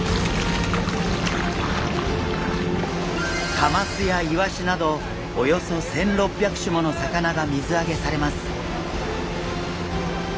カマスやイワシなどおよそ１６００種もの魚が水揚げされます。